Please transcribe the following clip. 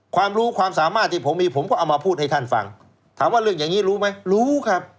ความรู้ความสามารถที่ผมมีผมก็เอามาพูดให้ท่านฟังถามว่าเรื่องอย่างนี้รู้ไหมรู้ครับ